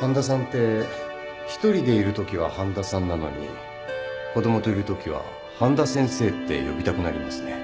半田さんって一人でいるときは半田さんなのに子供といるときは半田先生って呼びたくなりますね。